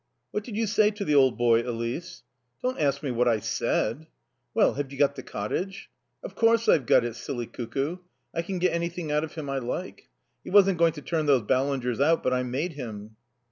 "What did you say to the old boy, Elise?" "Don't ask me what I said!" "Well have you got the cottage?" "Of course I've got it, silly cuckoo. I can get anything out of him I like. He wasn't going to turn those Ballingers out, but I made him."